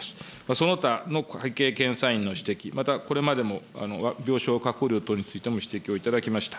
その他の会計検査院の指摘、またこれまでも病床確保りょう等についても指摘を頂きました。